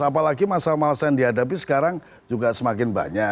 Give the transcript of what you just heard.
apalagi masa masa yang dihadapi sekarang juga semakin banyak